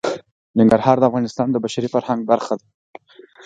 ننګرهار د افغانستان د بشري فرهنګ برخه ده.